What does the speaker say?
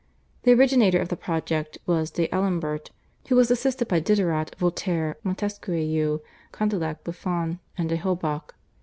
The originator of the project was D'Alembert, who was assisted by Diderot, Voltaire, Montesquieu, Condillac, Buffon, and D'Holbach.